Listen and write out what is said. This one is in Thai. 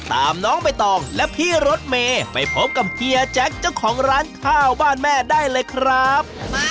ตามน้องใบตองและพี่รถเมย์ไปพบกับเฮียแจ็คเจ้าของร้านข้าวบ้านแม่ได้เลยครับ